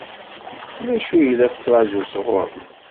D acu i la ttṛaǧun sɣur-m?